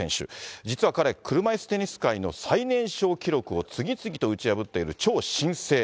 実は彼、車いすテニス界の最年少記録を次々と打ち破っている超新星。